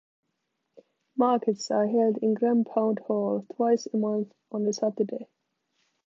Markets are held in Grampound Hall twice a month on a Saturday.